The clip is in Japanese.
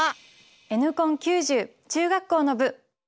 「Ｎコン９０」中学校の部。